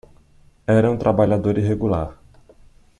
Era um trabalhador irregular